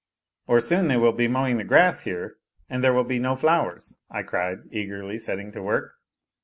" Or soon they will be mowing the grass here and there will bo no flowers," I cried, eagerly setting to work.